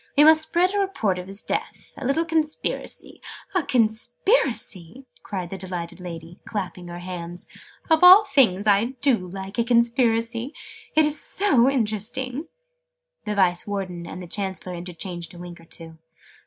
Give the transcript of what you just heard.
We must spread a report of his death. A little Conspiracy " "A Conspiracy!" cried the delighted lady, clapping her hands. "Of all things, I do like a Conspiracy! It's so interesting!" The Vice Warden and the Chancellor interchanged a wink or two.